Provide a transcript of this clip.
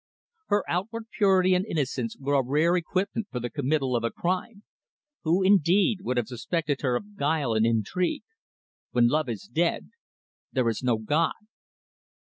Her outward purity and innocence were a rare equipment for the committal of a crime. Who, indeed, would have suspected her of guile and intrigue? When Love is dead there is no God.